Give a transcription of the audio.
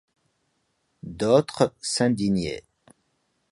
D’autres s’indignaient.